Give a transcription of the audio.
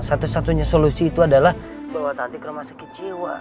satu satunya solusi itu adalah bawa tantik rumah sakit jiwa